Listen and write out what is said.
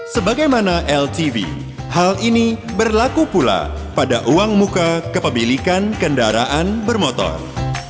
sebagaimana ltv hal ini berlaku pula pada uang muka kepemilikan kendaraan bermotor